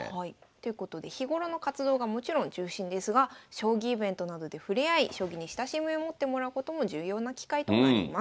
ということで日頃の活動がもちろん中心ですが将棋イベントなどで触れ合い将棋に親しみを持ってもらうことも重要な機会となります。